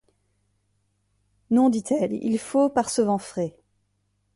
Non, dit-elle, il faut, par ce vent frais